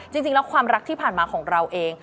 จริงแล้วความรักที่ผ่านมาของเราเอง